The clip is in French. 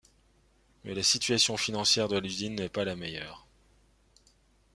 Mais la situation financière de l'usine n'est pas la meilleure.